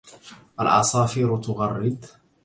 العصافير تغرّد